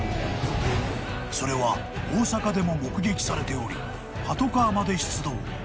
［それは大阪でも目撃されておりパトカーまで出動］